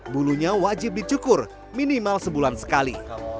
bulunya wajib dicukur minimal sebulan sekali